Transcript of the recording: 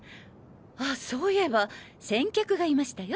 あそういえば先客がいましたよ。